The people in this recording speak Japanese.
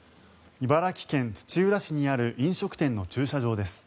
茨城県土浦市にある飲食店の駐車場です。